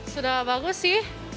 sudah bagus sih